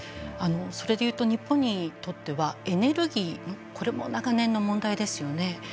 それで言うと日本にとってはエネルギーこれも長年の問題ですよね。